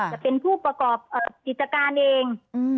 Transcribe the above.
จะเป็นผู้ประกอบกิจการเอง